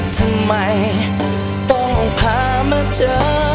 จะไม่ต้องพามาเจอ